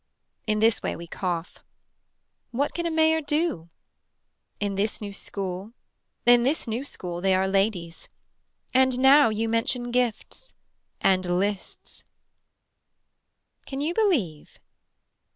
In this way we cough. What can a mayor do. In this new school. In this new school they are ladies. And now you mention gifts. And lists. Can you believe.